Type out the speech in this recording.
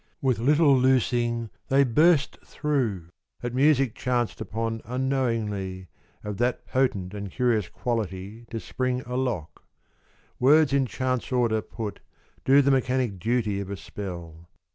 With little loosing they burst through, At music chanced upon unknowingly Of that potent and curious quality To spring a lock : words in chance order put Do the mechanic duty of a spell.